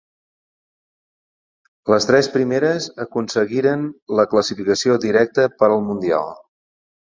Les tres primeres aconseguiren la classificació directa per al Mundial.